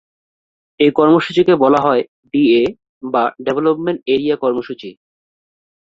এ কর্মসূচিকে বলা হয় ডিএ বা ডেভেলপমেন্ট এরিয়া কর্মসূচি।